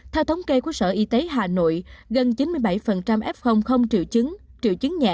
theo thống kê của sở y tế hà nội gần chín mươi bảy f không triệu chứng triệu chứng nhẹ